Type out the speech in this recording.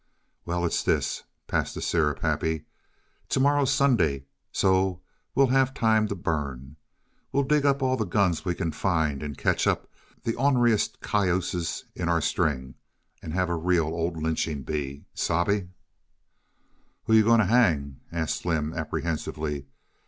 "Why, it's this. (Pass the syrup, Happy.) T'morrow's Sunday, so we'll have time t' burn. We'll dig up all the guns we can find, and catch up the orneriest cayuses in our strings, and have a real, old lynching bee sabe?" "Who yuh goin' t' hang?" asked Slim, apprehensively.